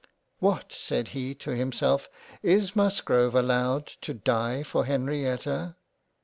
" What said he to himself is Musgrove allowed to die for Henrietta